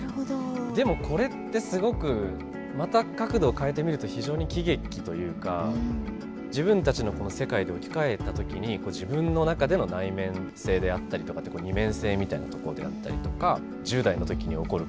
でもこれってすごくまた角度を変えてみると非常に喜劇というか自分たちの世界で置き換えた時に自分の中での内面性であったりとかって二面性みたいなところであったりとか１０代の時に起こる